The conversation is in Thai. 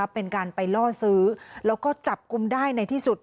เป็นการไปล่อซื้อแล้วก็จับกลุ่มได้ในที่สุด